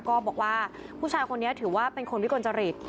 ก็บอกว่าผู้ชายคนนี้ถือว่าเป็นคนวิกลจริต